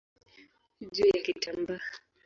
juu ya kitambaa.